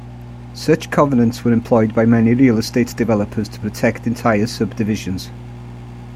Such covenants were employed by many real estate developers to "protect" entire subdivisions.